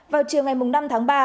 vào chiều ngày năm tháng ba